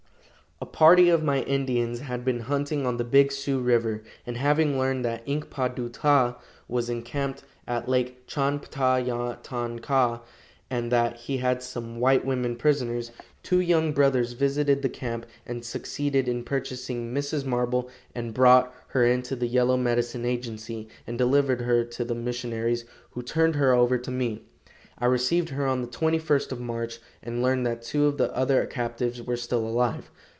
A party of my Indians had been hunting on the Big Sioux river, and having learned that Ink pa du ta was encamped at Lake Chan pta ya tan ka, and that he had some white women prisoners, two young brothers visited the camp and succeeded in purchasing Mrs. Marble, and brought her into the Yellow Medicine agency, and delivered her to the missionaries, who turned her over to me. I received her on the 21st of March, and learned that two of the other captives were still alive.